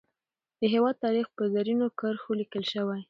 د هیواد تاریخ په زرینو کرښو لیکل شوی.